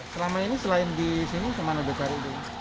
selama ini selain di sini kemana udah cari